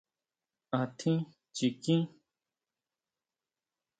¿Átjín chikín?